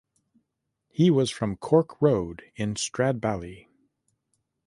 He was from Cork Road in Stradbally.